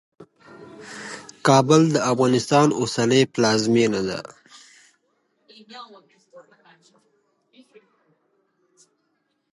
نړۍواله کرکټ شورا د کرکټ قانونونه ټاکي.